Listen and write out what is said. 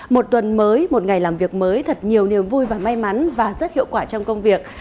một tuần mới một ngày làm việc mới thật nhiều niềm vui và may mắn và rất hiệu quả trong công việc